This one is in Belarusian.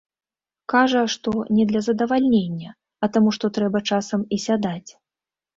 Кажа, што не для задавальнення, а таму, што трэба часам і сядаць.